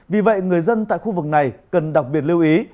vì vậy người dân tại khu vực này cần đặc biệt lưu ý